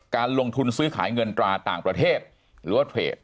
การลงทุนซื้อขายเงินตราต่างประเทศหรือว่าเทรด